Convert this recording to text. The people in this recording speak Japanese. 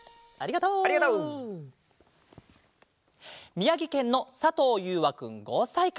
みやぎけんのさとうゆうわくん５さいから。